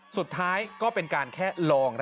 สุดท้ายก็เป็นการแค่ลอง